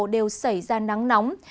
đều xảy ra nắng nóng